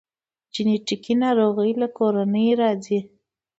جنیټیکي ناروغۍ له کورنۍ راځي